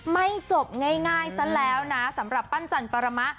ไม่จบง่ายซะแล้วนะสำหรับปั้นจันปรมะ